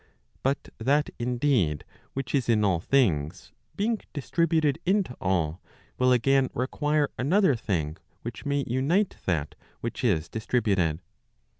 * But that indeed which is in all things being distributed into all, will again require another thing which may unite that which is distributed.